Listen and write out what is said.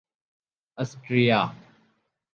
Austria